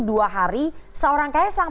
dua hari seorang ksang